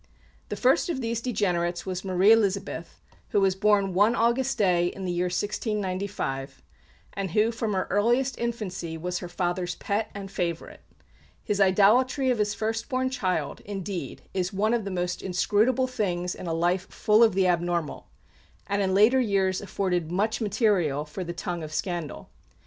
The first of these degenerates was Marie Elizabeth, who was born one August day in the year 1695, and who from her earliest infancy was her father's pet and favourite. His idolatry of his first born child, indeed, is one of the most inscrutable things in a life full of the abnormal, and in later years afforded much material for the tongue of scandal.